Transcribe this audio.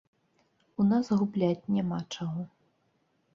У нас губляць няма чаго.